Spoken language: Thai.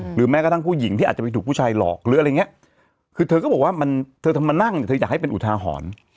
หรือแม้กระทั่งผู้หญิงที่อาจจะไปถูกผู้ชายหลอกหรืออะไรอย่างเงี้ยคือเธอก็บอกว่ามันเธอทำมานั่งเนี่ยเธออยากให้เป็นอุทาหรณ์